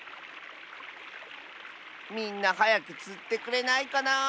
みんなはやくつってくれないかな。